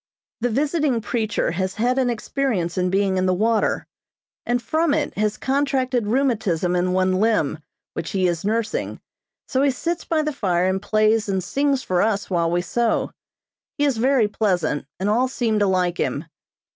The visiting preacher has had an experience in being in the water, and from it has contracted rheumatism in one limb, which he is nursing, so he sits by the fire and plays and sings for us while we sew. He is very pleasant, and all seem to like him.